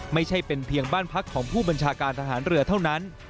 ไม่ใช่เป็นเพียงบ้านพักของผู้บัญชาการทหารเรือเท่านั้น